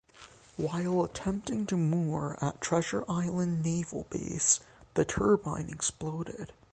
While attempting to moor at Treasure Island Naval Base, the turbine exploded.